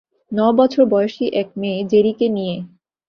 ন বছর বয়সী এক মেয়ে জেড়িকে নিয়ে।